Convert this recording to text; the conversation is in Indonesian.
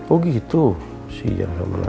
oh gitu sih jangan sama nak